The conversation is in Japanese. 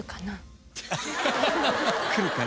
来るかな？